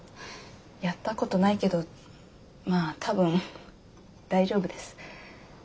やったことないけどまあ多分大丈夫です。